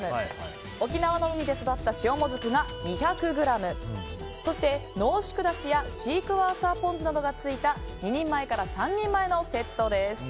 沖縄の海で育った塩モズクが２００ｇそして濃縮だしやシークヮーサーポン酢などがついた２人前から３人前のセットです。